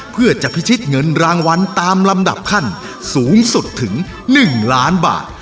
เพื่อจะพิชิตเงินรางวัลตามลำดับขั้นสูงสุดถึง๑ล้านบาท